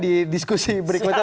di diskusi berikutnya